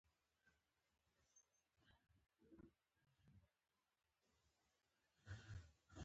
ماش ژر هضمیږي.